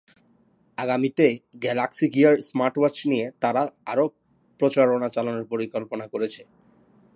আগামীতে Galaxy Gear smartwatch নিয়ে তারা আরও প্রচারণা চালানোর পরিকল্পনা করেছে।